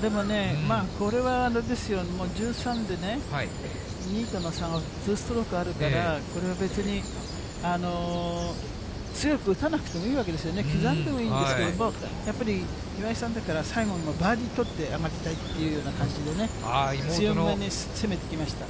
でもね、まあ、これはあれですよ、１３でね、２位との差が２ストロークあるから、これは別に、強く打たなくてもいいわけですよね、刻んでもいいんですけれども、やっぱり岩井さんだから、最後、バーディー取って上がりたいというような感じでね、強めに攻めてきましたね。